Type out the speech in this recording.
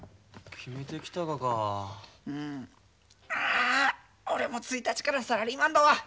ああ俺も１日からサラリーマンだわ。